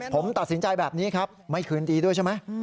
ผมตัดสินใจแบบนี้ครับไม่คืนดีด้วยใช่ไหม